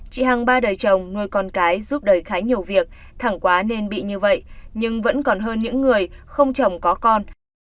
chị hằng ba đời chồng nuôi con cái giúp đời khá nhiều việc thẳng quá nên bị như vậy nhưng vẫn còn hơn những người không chồng có con